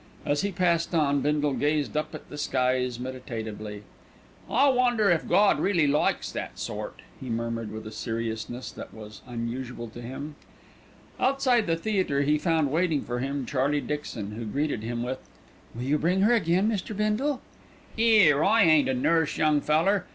As he passed on, Bindle gazed up at the skies meditatively. "I wonder if Gawd really likes that sort?" he murmured with a seriousness that was unusual to him. Outside the theatre he found waiting for him Charlie Dixon, who greeted him with: "Will you bring her again, Mr. Bindle?" "'Ere, I ain't a nurse, young feller.